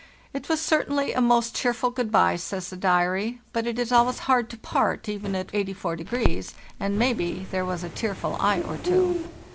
"It was certainly a most cheerful good bye," says the diary, " but it is always hard to part, even at 84, and maybe there was a tearful eye or two."